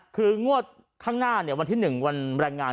คืองวดข้างหน้าวันที่๑วันแรงงาน